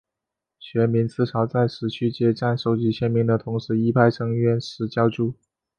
学民思潮在十区街站收集签名的同时亦派成员拾胶珠。